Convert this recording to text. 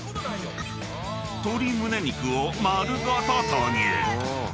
［鶏ムネ肉を丸ごと投入］